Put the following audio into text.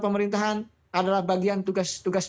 pemerintahan adalah bagian tugas